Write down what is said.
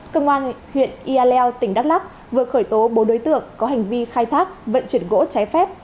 cơ quan huyện yaleo tỉnh đắk lắk vừa khởi tố bố đối tượng có hành vi khai thác vận chuyển gỗ trái phép